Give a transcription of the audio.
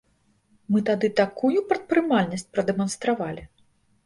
Мы тады такую прадпрымальнасць прадэманстравалі!